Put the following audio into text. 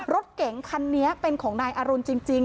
รถเก๋งคันนี้เป็นของนายอรุณจริง